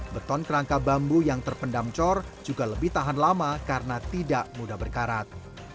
beton kerangka bambu yang terpendam cor juga lebih tahan lama karena tidak mudah berkarat